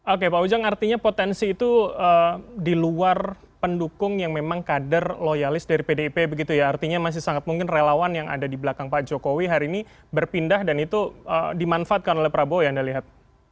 oke pak ujang artinya potensi itu di luar pendukung yang memang kader loyalis dari pdip begitu ya artinya masih sangat mungkin relawan yang ada di belakang pak jokowi hari ini berpindah dan itu dimanfaatkan oleh prabowo ya anda lihat